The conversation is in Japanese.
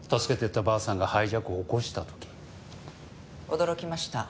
驚きました。